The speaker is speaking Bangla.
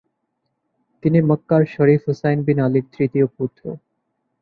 তিনি মক্কার শরীফ হুসাইন বিন আলীর তৃতীয় পুত্র।